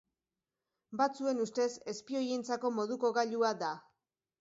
Batzuen ustez, espioientzako moduko gailua da.